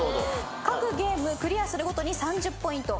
各ゲームクリアするごとに３０ポイント。